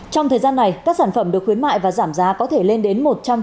trong thời gian này các sản phẩm được khuyến mại và giảm giá có thể lên đến một trăm linh